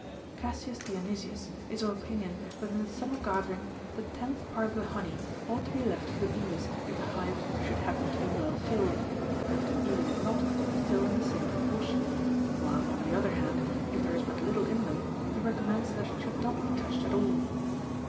_ Cassius Dionysius is of opinion that in the summer gathering the tenth part of the honey ought to be left for the bees if the hives should happen to be well filled, and even if not, still in the same proportion ; while, on the other hand, if there is but little in them, he recommends that it should not be touched at all.